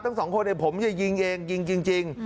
ทั้งสองคนผมจะยิงเองยิงจริง